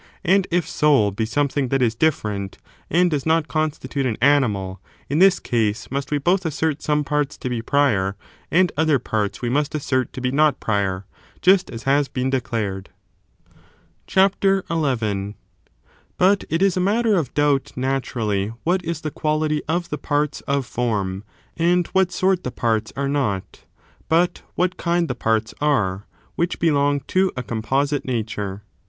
And if soul be something that is difiFerent, and does not con stitute an animal, in this case must we both assert some parts to be prior, and other parts we must assert to be not prior, just as has been declared. CHAPTER XI.2 J I. What sort BuT it is a matter of doubt, naturally, what is fom^or^Sthef *^® quality of the parts of form, and what sort of what is com the parts are not, but what kind the parts are, Song^tth which belong to a composite nature.